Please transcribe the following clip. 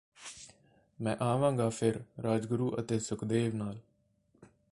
ਮੈਂ ਆਵਾਂਗਾ ਫਿਰ ਰਾਜਗੁਰੂ ਅਤੇ ਸੁਖਦੇਵ ਨਾਲ